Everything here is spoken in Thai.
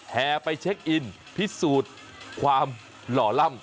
แห่ไปเช็คอินพิสูจน์ความหล่อล่ำ